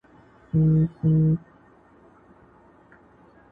رسنۍ راپورونه جوړوي او خلک پرې خبري کوي،